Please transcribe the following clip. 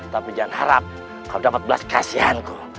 tapi jangan harap kau dapat belas kasihan ku